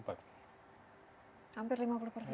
hampir lima puluh persen